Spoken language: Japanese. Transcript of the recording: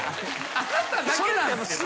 あなただけなんすけど。